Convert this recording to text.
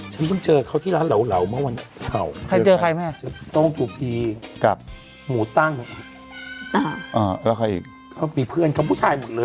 ฉันเพิ่งเจอเขาที่ร้านเหลามาวันเสาร์ต้องปีกับหมูตั้งใครเจอใครแม่